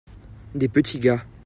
des petits gars.